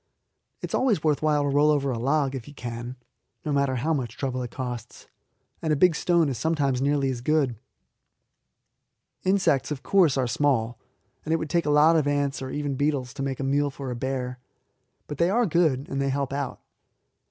It is always worth while to roll a log over, if you can, no matter how much trouble it costs; and a big stone is sometimes nearly as good. Insects, of course, are small, and it would take a lot of ants, or even beetles, to make a meal for a bear; but they are good, and they help out.